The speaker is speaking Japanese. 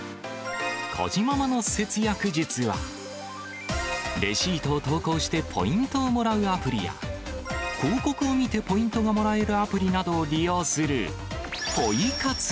こじままの節約術は、レシートを投稿してポイントをもらうアプリや、広告を見てポイントをもらえるアプリなどを利用するポイ活。